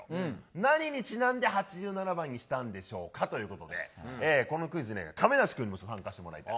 何にちなんで、８７番にしたんでしょうか？ということで、このクイズね、亀梨君に参加してもらいたい。